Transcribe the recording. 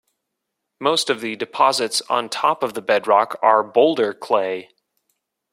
Most of the deposits on top of the bedrock are boulder clay.